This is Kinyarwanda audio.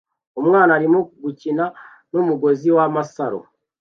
Umwana arimo gukina numugozi wamasaro